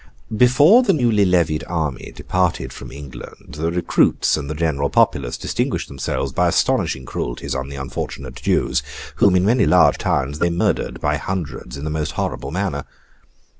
Before the newly levied army departed from England, the recruits and the general populace distinguished themselves by astonishing cruelties on the unfortunate Jews: whom, in many large towns, they murdered by hundreds in the most horrible manner.